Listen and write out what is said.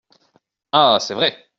Ah ! c’est vrai.